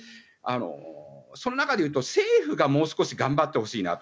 その中で言うと政府がもう少し頑張ってほしいなと。